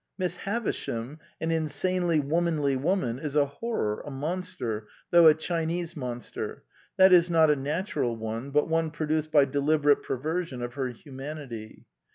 Miss Havisham, an insanely womanly woman, is a horror, a monster, though a Chinese monster: that is, not a natural one, but one produced by deliberate perversion of her humanity.